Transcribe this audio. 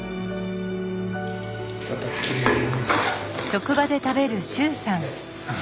いただきます。